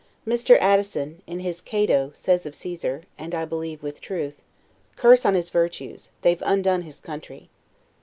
Mr. Addison, in his "Cato," says of Caesar (and I believe with truth), "Curse on his virtues, they've undone his country."